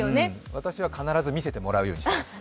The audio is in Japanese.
私は必ず見てもらうようにしています。